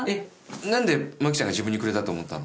何でマキちゃんが自分にくれたと思ったの？